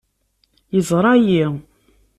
Yeẓra-iyi.